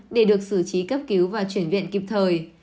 để được xử trí cấp cứu và chuyển viện kịp thời